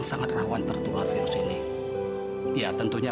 sampai jumpa di video selanjutnya